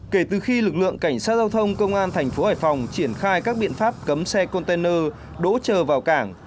kể từ khi lực lượng cảnh sát giao thông công an thành phố hải phòng triển khai các biện pháp cấm xe container đỗ chờ vào cảng